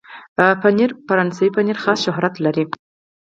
پنېر فرانسوي پنېر خاص شهرت لري.